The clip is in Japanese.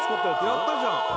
やったじゃん！